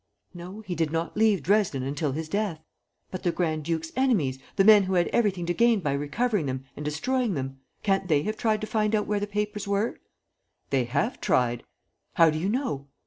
"No, he did not leave Dresden until his death." "But the grand duke's enemies, the men who had everything to gain by recovering them and destroying them: can't they have tried to find out where the papers were?" "They have tried." "How do you know?"